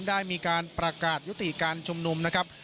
ได้มีการประกาศยุติการชุมนุมนะครับ